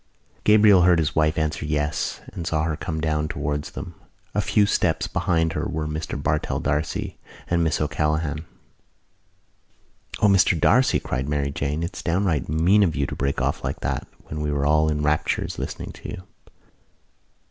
Gabriel heard his wife answer yes and saw her come down towards them. A few steps behind her were Mr Bartell D'Arcy and Miss O'Callaghan. "O, Mr D'Arcy," cried Mary Jane, "it's downright mean of you to break off like that when we were all in raptures listening to you."